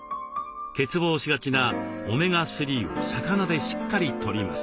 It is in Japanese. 欠乏しがちなオメガ３を魚でしっかりとります。